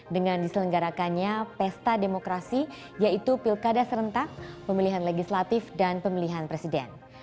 dengan diselenggarakannya pesta demokrasi yaitu pilkada serentak pemilihan legislatif dan pemilihan presiden